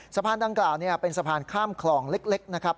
สะพานดังกล่าวเป็นสะพานข้ามคลองเล็กนะครับ